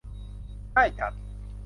ได้จัด